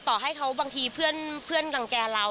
ต่อให้เขาบางทีเพื่อนรังแก่เรา